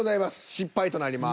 失敗となります。